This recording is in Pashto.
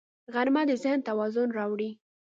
غرمه د ذهن توازن راوړي